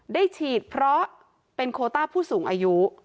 ได้ฉีดเพราะเป็นโคต้าผู้สูงอายุ